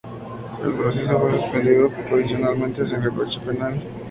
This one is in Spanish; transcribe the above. El proceso fue suspendido condicionalmente sin reproche penal.